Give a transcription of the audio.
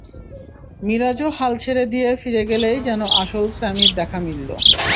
মিরাজও হাল ছেড়ে দিয়ে ফিরে গেলেই যেন আসল স্যামির দেখা মিলল।